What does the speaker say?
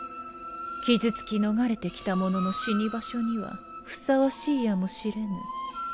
傷付き逃れてきた者の死に場所には相応しいやもしれぬ